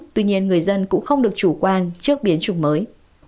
tuy nhiên người dân cũng không được chủ quan trước biến chủng mới